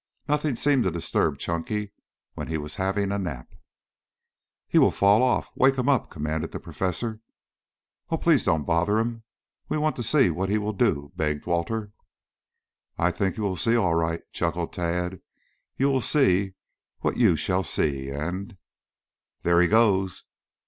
Nothing seemed to disturb Chunky when he was having a nap. "He will fall off. Wake him up!" commanded the professor. "Oh, please don't bother him. We want to see what he will do," begged Walter. "I think you will see, all right," chuckled Tad. "You will see what you shall see, and " "There he goes!"